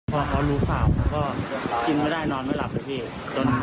พอเขารู้เปล่าก็กินไม่ได้นอนไม่หลับพระเภท